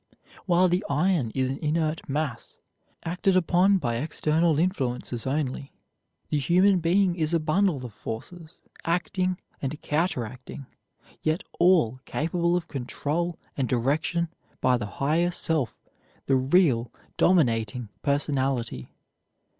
While the iron is an inert mass acted upon by external influences only, the human being is a bundle of forces, acting and counteracting, yet all capable of control and direction by the higher self, the real, dominating personality.